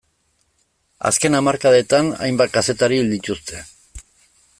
Azken hamarkadetan hainbat kazetari hil dituzte.